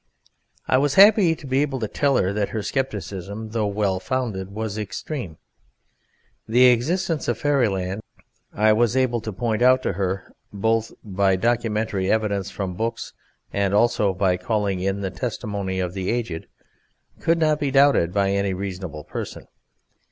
I was happy to be able to tell her that her scepticism, though well founded, was extreme. The existence of Fairyland, I was able to point out to her both by documentary evidence from books and also by calling in the testimony of the aged, could not be doubted by any reasonable person.